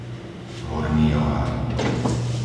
Horný Ohaj